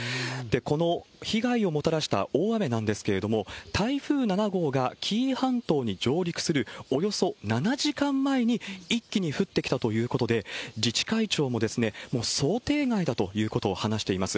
この被害をもたらした大雨なんですけれども、台風７号が紀伊半島に上陸するおよそ７時間前に、一気に降ってきたということで、自治会長も、もう想定外だということを話しています。